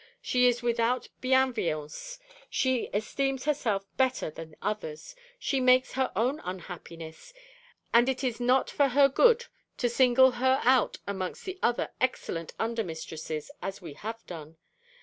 She is without bienveillance: she esteems herself better than others, she makes her own unhappiness; and it is not for her good to single her out amongst the other excellent under mistresses as we have done.